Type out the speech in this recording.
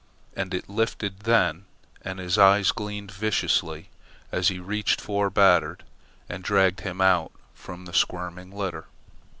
And it lifted then, and his eyes glinted viciously, as he reached for Batard and dragged him out from the squirming litter.